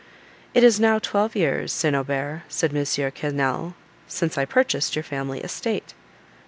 "It is now twelve years, St. Aubert," said M. Quesnel, "since I purchased your family estate."